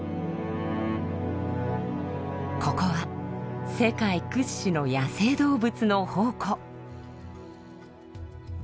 ここは世界屈指の野生動物の宝庫。